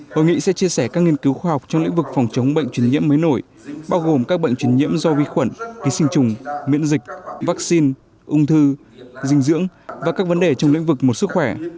hội nghị sẽ chia sẻ các nghiên cứu khoa học trong lĩnh vực phòng chống bệnh truyền nhiễm mới nổi bao gồm các bệnh chuyển nhiễm do vi khuẩn ký sinh trùng miễn dịch vaccine ung thư dinh dưỡng và các vấn đề trong lĩnh vực một sức khỏe